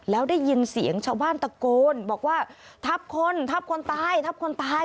แล้วได้ยินเสียงชาวบ้านตะโกนบอกว่าทับคนทับคนตายทับคนตาย